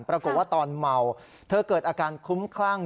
ปรากฏว่าตอนเมาเธอเกิดอาการคุ้มคลั่ง